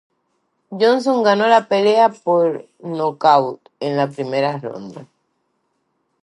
Johnson ganó la pelea por nocaut en la primera ronda.